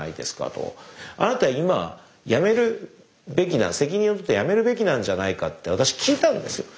あなた今やめるべき責任を取ってやめるべきなんじゃないかって私聞いたんですよ。